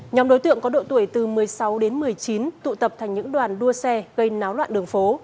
nhóm đối tượng có độ tuổi từ một mươi sáu đến một mươi chín tụ tập thành những đoàn đua xe gây náo loạn đường phố